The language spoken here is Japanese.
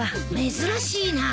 珍しいな。